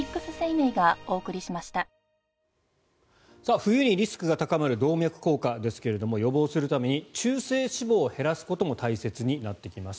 冬にリスクが高まる動脈硬化ですが予防するために中性脂肪を減らすことも大切になってきます。